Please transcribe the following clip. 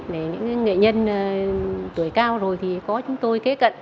để những nghệ nhân tuổi cao rồi thì có chúng tôi kế cận